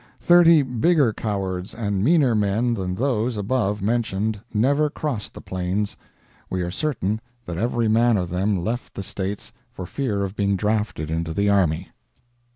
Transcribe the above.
Thirty bigger cowards and meaner men than those above mentioned never crossed the plains; we are certain that every man of them left the States for fear of being drafted into the army.